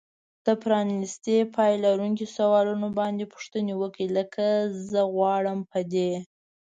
د پرانیستي پای لرونکو سوالونو باندې پوښتنې وکړئ. لکه زه غواړم په دې